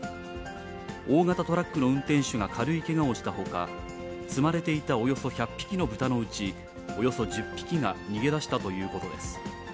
大型トラックの運転手が軽いけがをしたほか、積まれていたおよそ１００匹の豚のうちおよそ１０匹が逃げ出したということです。